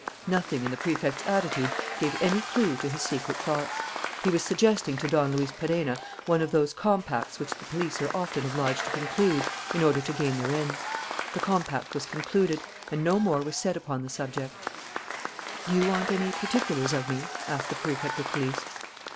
Nothing in the Prefect's attitude gave any clue to his secret thoughts. He was suggesting to Don Luis Perenna one of those compacts which the police are often obliged to conclude in order to gain their ends. The compact was concluded, and no more was said upon the subject. "Do you want any particulars of me?" asked the Prefect of Police.